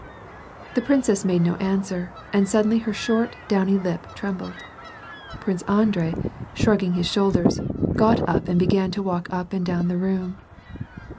The princess made no answer, and suddenly her short downy lip trembled ; Prince Andrei, shrugging his shoulders, got up and began to walk up and down the room.